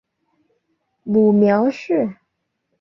母苗氏。